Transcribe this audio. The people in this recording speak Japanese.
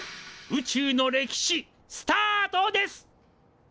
宇宙の歴史スタートです！